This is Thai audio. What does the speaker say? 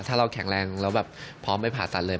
ถ้าเราแข็งแรงแล้วแบบพร้อมไปผ่าตัดเลย